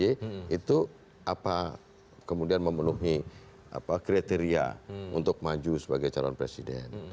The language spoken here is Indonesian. itu apa kemudian memenuhi kriteria untuk maju sebagai calon presiden